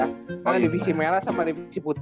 apalagi divisi merah sama divisi putih